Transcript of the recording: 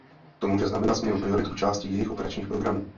To může znamenat změnu priorit u částí jejich operačních programů.